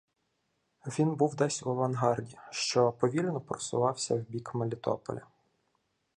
Він був десь у авангарді, що повільно посувався в бік Мелітополя.